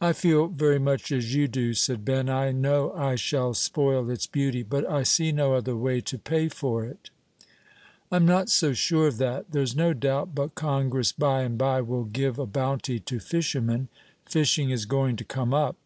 "I feel very much as you do," said Ben; "I know I shall spoil its beauty, but I see no other way to pay for it." "I'm not so sure of that; there's no doubt but Congress, by and by, will give a bounty to fishermen; fishing is going to come up.